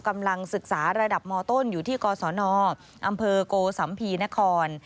กำลังศึกษาระดับมต้นอยู่ที่กศนอำเภอโกสัมภีนคร